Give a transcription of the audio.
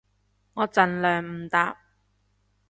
我盡量唔搭